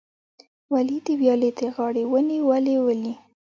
ولي، د ویالې د غاړې ونې ولې ولي؟